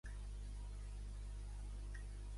La dimedona és un exemple de diquetona cíclica.